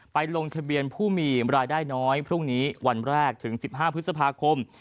ลงทะเบียนผู้มีรายได้น้อยพรุ่งนี้วันแรกถึง๑๕พฤษภาคม